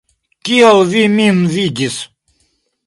Kiel vi min vidis?